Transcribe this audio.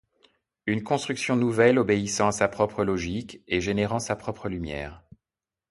Une construction nouvelle obéissant à sa propre logique et générant sa propre lumière.